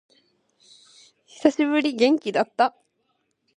久しぶり。元気だった？